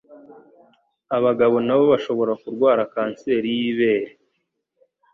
Abagabo nabo bashobora kurwara kanseri y'ibere